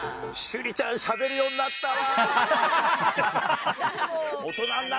朱莉ちゃん、しゃべるようになったな。